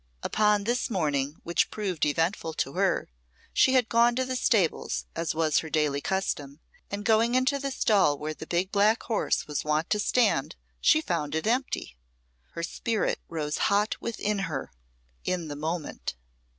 Upon this morning which proved eventful to her, she had gone to the stables, as was her daily custom, and going into the stall where the big black horse was wont to stand, she found it empty. Her spirit rose hot within her in the moment.